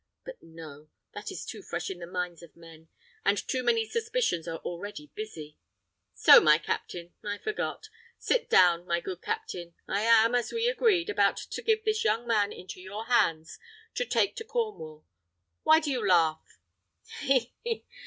But no, that is too fresh in the minds of men, and too many suspicions are already busy. So, my captain I forgot. Sit down, my good captain. I am, as we agreed, about to give this young man into your hands to take to Cornwall. Why do you laugh?" "He! he!